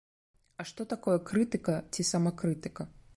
А што такое крытыка ці самакрытыка?